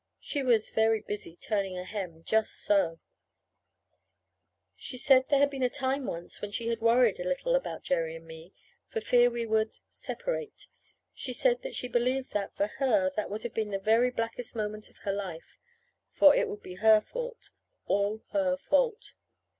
She was very busy turning a hem just so. She said there had been a time, once, when she had worried a little about Jerry and me, for fear we would separate. She said that she believed that, for her, that would have been the very blackest moment of her life; for it would be her fault, all her fault.